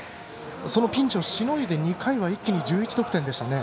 ピンチをしのいで２回が一気に１１得点でしたね。